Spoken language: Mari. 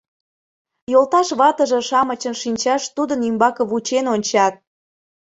Йолташ ватыже-шамычын шинчашт тудын ӱмбаке вучен ончат.